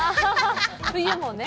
冬もね。